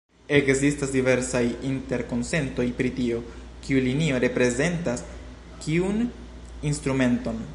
Ekzistas diversaj interkonsentoj pri tio, kiu linio reprezentas kiun instrumenton.